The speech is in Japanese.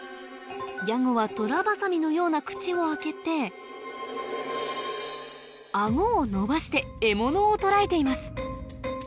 ヤゴはトラバサミのような口を開けてアゴを伸ばして獲物を捕らえています